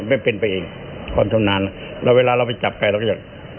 ไม่เป็นไปเองความชำนาญแล้วเวลาเราไปจับใครเราก็จะ